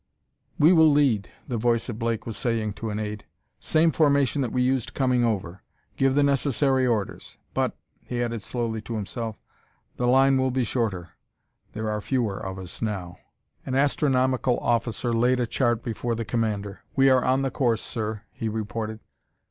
"We will lead," the voice of Blake was saying to an aide: "same formation that we used coming over. Give the necessary orders. But," he added slowly to himself, "the line will be shorter; there are fewer of us now." An astronomical officer laid a chart before the commander. "We are on the course, sir," he reported.